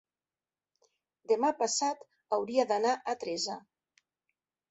Demà passat hauria d'anar a Teresa.